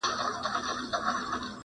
• توره به یم خو د مکتب توره تخته یمه زه..